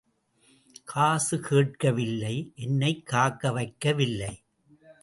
காசு கேட்க வில்லை—என்னைக் காக்க வைக்க வில்லை.